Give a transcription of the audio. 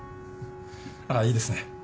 あっいいですね。